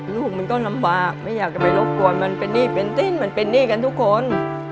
ลูกมันก็ลำบากไม่อยากจะไปรบกวนมันเป็นหนี้เป็นสินมันเป็นหนี้กันทุกคน